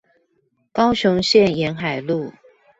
高雄縣沿海路